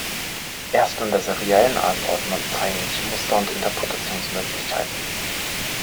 Erst in der seriellen Anordnung zeigen sich Muster und Interpretationsmöglichkeiten.